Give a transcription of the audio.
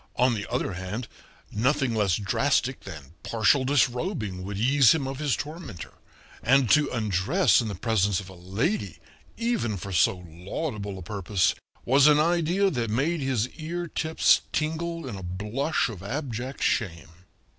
On the other hand, nothing less drastic than partial disrobing would ease him of his tormentor, and to undress in the presence of a lady, even for so laudable a purpose, was an idea that made his ear tips tingle in a blush of abject shame.